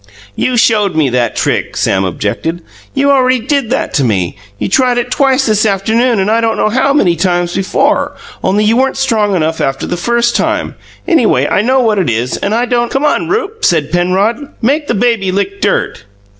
"You showed me that trick," Sam objected. "You already did that to me. You tried it twice this afternoon and I don't know how many times before, only you weren't strong enough after the first time. Anyway, I know what it is, and I don't " "Come on, Rupe," said Penrod. "Make the baby lick dirt."